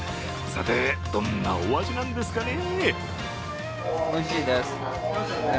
さて、どんなお味なんですかね？